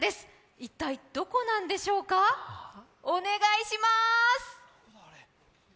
一体、どこなんでしょうか、お願いします。